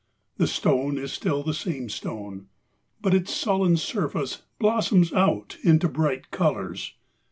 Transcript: The stone is still the same stone ; but its sullen surface blossoms out into bright colours.